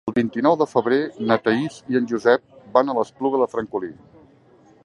El vint-i-nou de febrer na Thaís i en Josep van a l'Espluga de Francolí.